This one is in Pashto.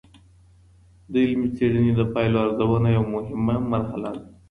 د علمي څېړنې د پایلو ارزونه یوه مهمه مرحله ده.